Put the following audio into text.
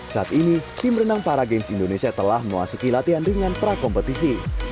saat ini tim renang para games indonesia telah memasuki latihan ringan prakompetisi